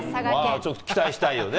ちょっと期待したいよね。